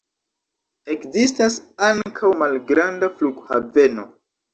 Ekzistas ankaŭ malgranda flughaveno.